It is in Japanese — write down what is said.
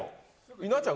稲ちゃん